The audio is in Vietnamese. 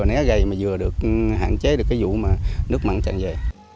né gầy mà vừa được hạn chế được cái vụ mà nước mặn tràn về